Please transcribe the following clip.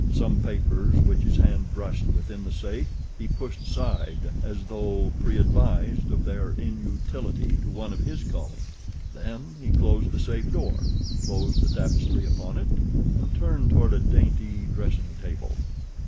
Some papers which his hand brushed within the safe he pushed aside as though preadvised of their inutility to one of his calling. Then he closed the safe door, closed the tapestry upon it and turned toward a dainty dressing table.